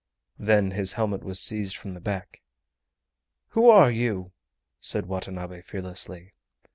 Then his helmet was seized from the back. "Who are you?" said Watanabe fearlessly.